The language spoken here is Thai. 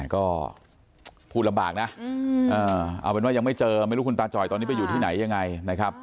ก็พูดลำบากนะเอาเป็นว่ายังไม่เจอไม่รู้คุณตาจอยตอนนี้ไปอยู่ที่ไหนยังไงนะครับ